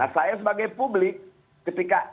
saya sebagai publik ketika